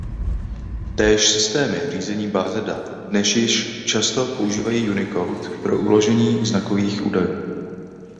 Též systémy řízení báze dat dnes již často používají Unicode pro uložení znakových údajů.